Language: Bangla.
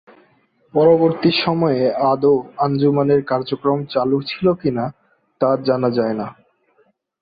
পরবর্তী সময়ে আদৌ আঞ্জুমানের কার্যক্রম চালু ছিল কিনা তা জানা যায় না।